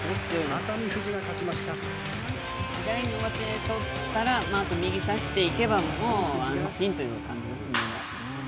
左の上手とったら右差していけば安心という感じですね。